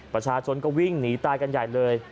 ประชาชนก็วิ่งหนีตายกันใหญ่เลย